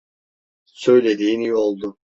Söylediğin iyi oldu.